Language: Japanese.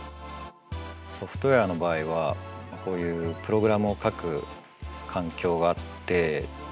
ソフトウェアの場合はこういうプログラムを書く環境があって。